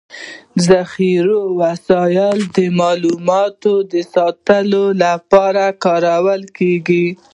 ذخيروي وسایل د معلوماتو د ساتلو لپاره کارول کيږي.